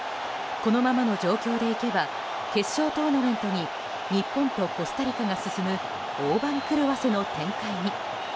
このままの状況でいけば決勝トーナメントに日本とコスタリカが進む大番狂わせの展開に。